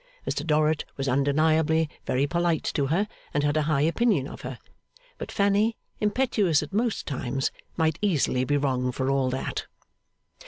Mr Dorrit was undeniably very polite to her and had a high opinion of her; but Fanny, impetuous at most times, might easily be wrong for all that.